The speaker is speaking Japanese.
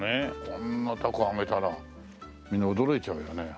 こんな凧揚げたらみんな驚いちゃうよね。